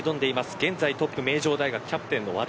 現在トップは名城大学キャプテンの和田。